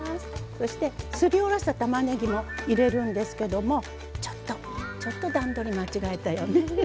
そしてすりおろしたたまねぎも入れるんですけどもちょっとちょっと段取り間違えたよね。